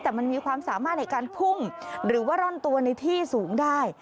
แต่มันมีความสามารถในการพุ่งหรือว่าร่อนตัวในที่สูงได้